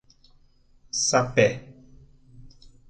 Sapé